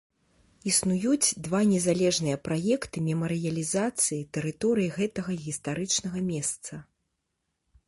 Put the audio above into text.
Існуюць два незалежныя праекты мемарыялізацыі тэрыторыі гэтага гістарычнага месца.